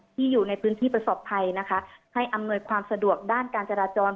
อยู่ในพื้นที่ประสบภัยนะคะให้อำนวยความสะดวกด้านการจราจร